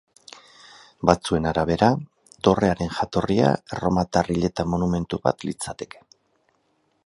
Batzuen arabera, dorrearen jatorria erromatar hileta monumentu bat litzateke.